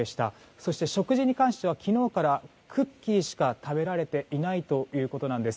そして食事に関しては昨日から、クッキーしか食べられていないということなんです。